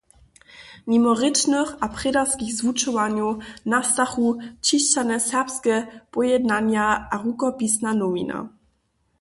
Nimo rěčnych a prědarskich zwučowanjow nastachu ćišćane serbske pojednanja a rukopisna nowina.